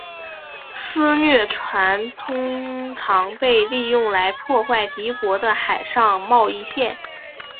私掠船通常被利用来破坏敌国的海上贸易线。